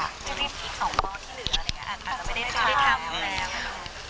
อีก๒บอลที่เหลืออาจจะไม่ได้ช่วยทำ